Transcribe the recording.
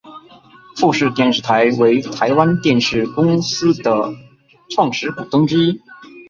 富士电视台为台湾电视公司的创始股东之一。